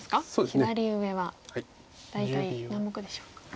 左上は大体何目でしょうか。